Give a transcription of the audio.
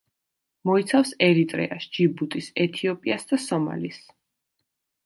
მოიცავს ერიტრეას, ჯიბუტის, ეთიოპიას და სომალის.